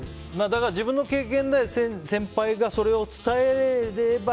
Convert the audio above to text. だから、自分の経験で先輩が、それを伝えられれば。